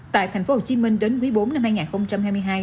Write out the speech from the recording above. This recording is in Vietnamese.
tại tp hcm đến quý bốn năm hai nghìn hai mươi hai